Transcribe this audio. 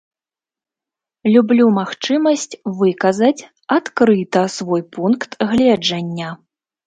Люблю магчымасць выказаць адкрыта свой пункт гледжання.